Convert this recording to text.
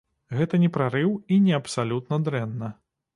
Гэта не прарыў і не абсалютна дрэнна.